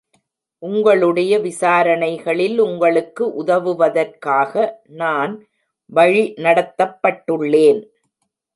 உங்களுடைய விசாரணைகளில் உங்களுக்கு உதவுவதற்காக நான் வழிநடத்தப்பட்டுள்ளேன்.